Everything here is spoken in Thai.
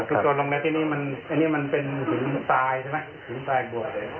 ทุกตัวลงในที่นี่มันเป็นถึงทายใช่ไหม